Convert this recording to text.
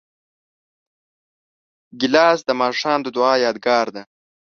پیاله د ماښام د دعا یادګار ده.